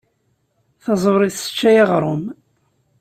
Taẓuri tesseččay aɣrum.